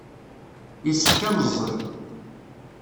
Yessefk ad neẓẓel.